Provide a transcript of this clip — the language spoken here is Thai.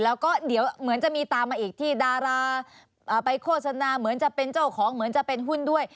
แล้วก็เดี๋ยวเหมือนจะมีตามมาอีกที่ดาราไปโฆษณาเหมือนจะเป็นเจ้าของเหมือนจะเป็นหุ้นด้วย